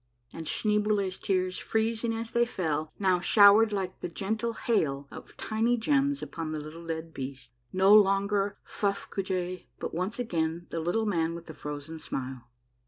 And Schneeboule's tears, freezing as they fell, now showered like a gentle hail of tiny gems upon the little dead beast, no longer Fufifcoojali, but once again the Little Man with the Frozen Smile.